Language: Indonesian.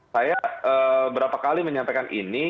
saya berapa kali menyampaikan ini